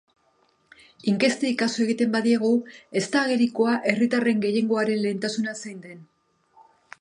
Inkestei kasu egiten badiegu, ez da agerikoa herritarren gehiengoaren lehentasuna zein den.